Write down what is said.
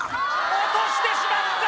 落としてしまった！